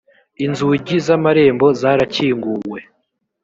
inzugi z amarembo zarakinguwe